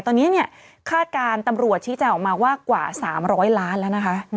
ตอนนี้เนี่ยคาดการณ์ตำรวจชี้แจงออกมาว่ากว่า๓๐๐ล้านแล้วนะคะ